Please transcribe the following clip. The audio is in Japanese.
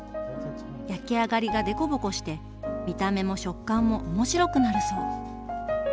焼き上がりがでこぼこして見た目も食感も面白くなるそう。